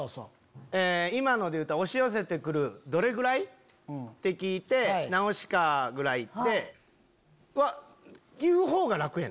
今ので言うたら押し寄せて来るどれぐらい？って聞いて『ナウシカ』ぐらいって言うほうが楽やねん。